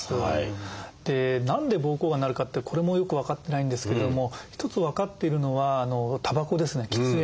で何で膀胱がんになるかってこれもよく分かってないんですけども一つ分かっているのはたばこですね喫煙。